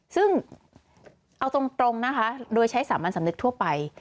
ซึ่งเอาตรงนะคะโดยใช้สามัญสำนึกทั่วไป